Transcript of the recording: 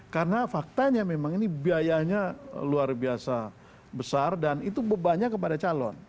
karena faktanya memang ini biayanya luar biasa besar dan itu bebannya kepada calon